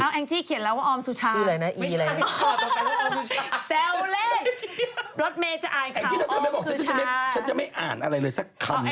แองจี้เขียนแล้วว่าออมสุชาแซวเล่นรถเมย์จะอ่านข่าวออมสุชา